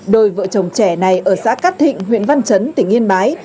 đôi vợ chồng trẻ này ở xã cát thịnh huyện văn chấn tỉnh yên bái